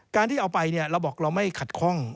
การที่เอาไปเนี่ยเราบอกเราไม่ขัดข้อง